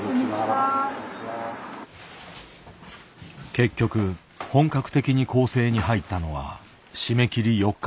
結局本格的に校正に入ったのは締め切り４日前だった。